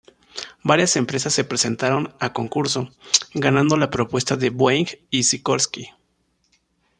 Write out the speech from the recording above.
Varias empresas se presentaron a concurso, ganando la propuesta de Boeing y Sikorsky.